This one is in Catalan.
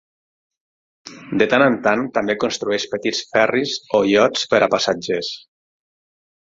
De tant en tant, també construeix petits ferris o iots per a passatgers.